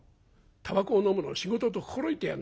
たばこをのむのを仕事と心得てやがんな」。